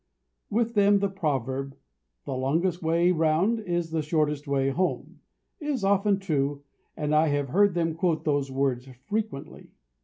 With them the proverb, "The longest way round is the shortest way home," is often true, and I have heard them quote those words frequently.